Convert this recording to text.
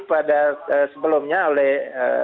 pada sebelumnya oleh